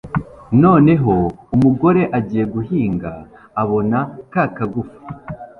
Noneho umugore agiye guhinga abona ka kagufa